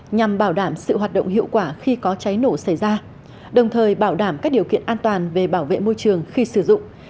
nhằm bảo đảm sự hoạt động hiệu quả khi có cháy nổ xảy ra đồng thời bảo đảm các điều kiện an toàn về bảo vệ môi trường khi sử dụng